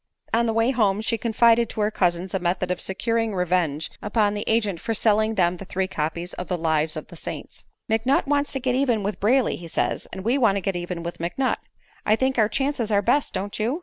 On the way home she confided to her cousins a method of securing revenge upon the agent for selling them the three copies of the "Lives of the Saints." "McNutt wants to get even with Brayley, he says, and we want to get even with McNutt. I think our chances are best, don't you?"